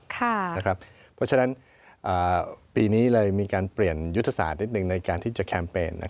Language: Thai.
เพราะฉะนั้นปีนี้เลยมีการเปลี่ยนยุทธศาสตร์นิดหนึ่งในการที่จะแคมเปญ